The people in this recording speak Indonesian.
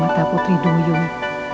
berkatkan mata putri doyung